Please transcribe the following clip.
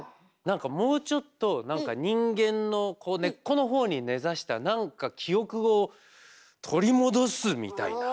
何かもうちょっと何か人間のこう根っこの方に根ざした何か記憶を取り戻すみたいな。